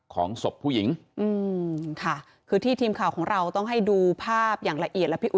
ศพผู้หญิงอืมค่ะคือที่ทีมข่าวของเราต้องให้ดูภาพอย่างละเอียดแล้วพี่อุ๋